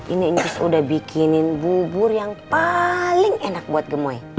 ini inci sudah bikinin bubur yang paling enak buat gemoy